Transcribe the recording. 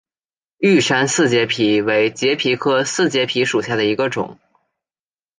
玉山四节蜱为节蜱科四节蜱属下的一个种。